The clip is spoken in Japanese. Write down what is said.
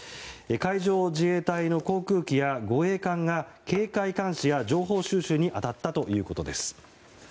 海上自衛隊の航空機や護衛艦が警戒監視や情報収集に当たったということです。